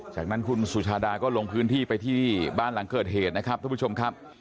จากนั้นคุณสุชาดาก็ลงพื้นที่ไปที่บ้านหลังเกิดเหตุนะครับทุกผู้ชมครับ